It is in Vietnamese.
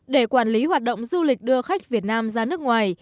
để quản lý hoạt động du lịch đưa khách việt nam ra nước ngoài